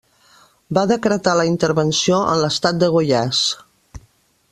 Va decretar la intervenció en l'estat de Goiás.